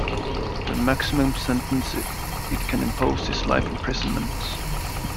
The maximum sentence it can impose is life imprisonment.